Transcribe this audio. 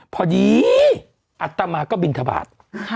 พอดีอัตมาก็บินทบาท